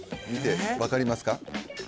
見て分かりますか？